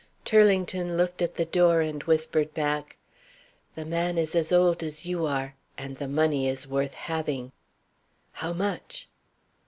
Turlington looked at the door, and whispered back, "The man is as old as you are. And the money is worth having." "How much?"